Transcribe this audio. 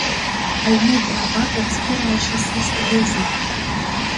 Аҩны идмырбакәа цхыраашьас исҭарызеи?